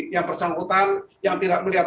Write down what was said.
yang bersangkutan yang tidak melihat